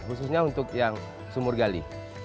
khususnya untuk yang sumur gali